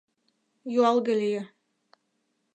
Юалге лие.